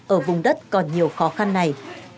ở vùng đất còn nhiều khó khăn này